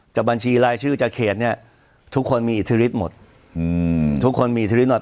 จะบัญชีรายชื่อจะเขตทุกคนมีอิทธิฤทธิ์หมด